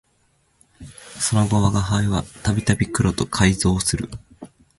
その後吾輩は度々黒と邂逅する